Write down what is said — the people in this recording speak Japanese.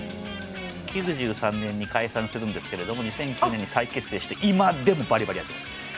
９３年に解散するんですけれども２００９年に再結成して今でもバリバリやってます。